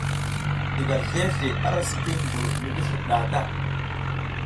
Diga zleʼzle ara sipi mbur mi gi slir nɗah ta.